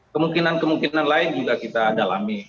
kemungkinan kemungkinan lain juga kita dalami